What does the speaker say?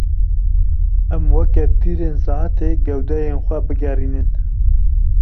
Em weke tîrên saetê gewdeyê xwe bigerînin.